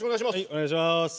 お願いします。